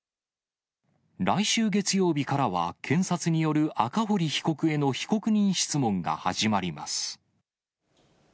来週月曜日からは、検察による赤堀被告への被告人質問が始まります。